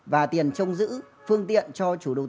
và tiền trông giữ phương tiện cho chủ đầu tư